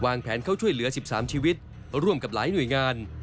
แผนเข้าช่วยเหลือ๑๓ชีวิตร่วมกับหลายหน่วยงาน